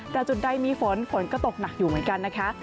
แต่จุดใดมีฝนฝนก็ตกหนักอยู่เหมือนกันนะคะ